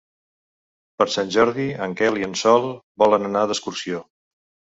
Per Sant Jordi en Quel i en Sol volen anar d'excursió.